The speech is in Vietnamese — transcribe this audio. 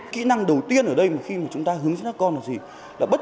kỹ năng đầu tiên ở đây khi chúng ta hướng dẫn các con là gì